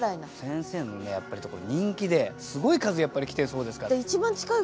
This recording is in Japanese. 先生のやっぱり人気ですごい数来てるそうですから。